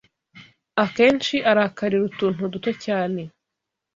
Akenshi arakarira utuntu duto cyane